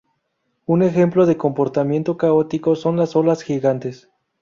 Un ejemplo de comportamiento caótico son las olas gigantes.